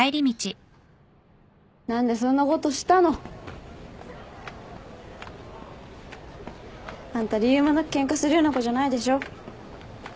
何でそんなことしたの？あんた理由もなくケンカするような子じゃないでしょ。